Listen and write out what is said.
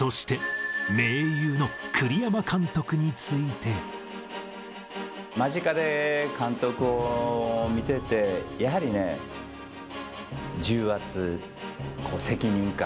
そして、間近で監督を見てて、やはりね、重圧、責任感、